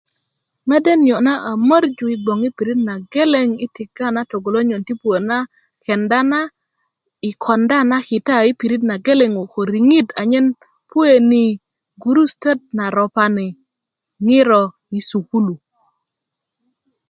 mede niyo a morju i bgoŋ i pirit nageleŋ i tiga na togolonyon ti puö na kenda na i konda na kita i pirit na geleŋ ko riŋit anyen puweni gurustöt na ropni ŋiro i sukulu